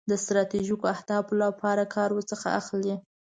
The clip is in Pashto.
د ستراتیژیکو اهدافو لپاره کار ورڅخه اخلي.